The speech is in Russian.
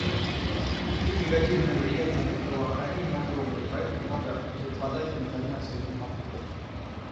Их негативное влияние на здравоохранение огромно, и поэтому надо безотлагательно заняться этим вопросом.